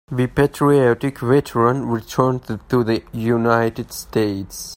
The patriotic veteran returned to the United States.